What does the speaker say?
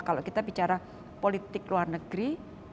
kalau kita bicara politik luar negeri